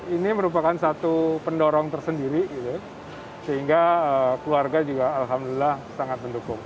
ini merupakan satu pendorong tersendiri sehingga keluarga juga alhamdulillah sangat mendukung